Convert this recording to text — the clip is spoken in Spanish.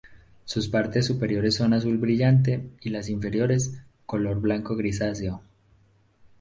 Sus partes superiores son azul brillante y las inferiores, color blanco grisáceo.